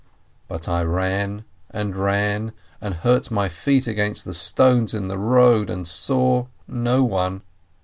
But I ran and ran, and hurt my feet against the stones in the road, and saw no one.